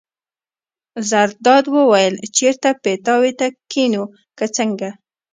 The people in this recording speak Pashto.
زرداد وویل: چېرته پیتاوي ته کېنو که څنګه.